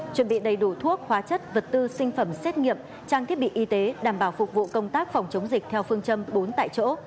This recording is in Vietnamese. chuẩn bị đầy đủ thuốc hóa chất vật tư sinh phẩm xét nghiệm trang thiết bị y tế đảm bảo phục vụ công tác phòng chống dịch theo phương châm bốn tại chỗ